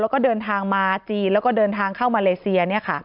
แล้วก็เดินทางมาจีนแล้วก็เดินทางเข้ามาเลเซีย